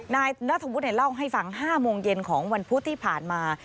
นายนัทธวุฒิเล่าให้ฟัง๕โมงเย็นของวันพุธที่ผ่านมา